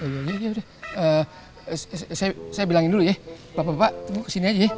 ya ya ya saya bilangin dulu ya bapak bapak tunggu kesini aja ya